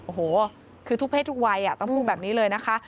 โอ้โหคือทุกเพศทุกวัยต้องพูดแบบนี้เลยนะคะ